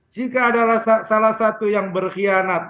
jika adalah salah satu yang berkhianat